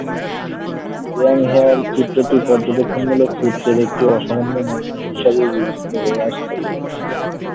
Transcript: Young hare চিত্রটি পর্যবেক্ষণমূলক চিত্রের একটি অসামান্য নমুনা হিসেবে বিবেচিত হয়ে আসছে।